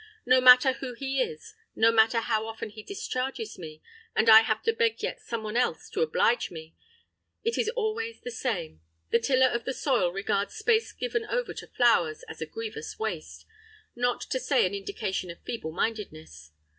No matter who he is, no matter how often he discharges me and I have to beg yet someone else to "oblige" me, it is always the same, the tiller of the soil regards space given over to flowers as a grievous waste, not to say an indication of feeble mindedness!